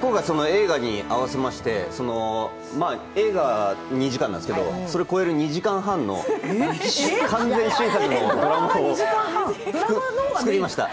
今回、その映画に合わせまして、映画は２時間なんですけどそれを超える２時間半の完全新作のドラマを作りました。